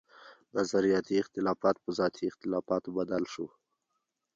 نظرياتي اختلافات پۀ ذاتي اختلافاتو بدل شو